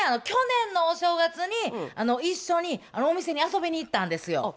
去年のお正月に一緒にお店に遊びに行ったんですよ。